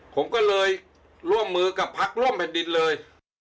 ผมก็เลยร่วมมือกับพักร่วมแผ่นดินเลย